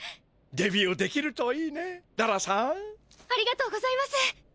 デビューできるといいねララさん。ありがとうございます。